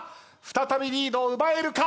再びリードを奪えるか。